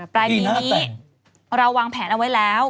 ปลายปีนี้เราวางแผนเอาไว้แล้ว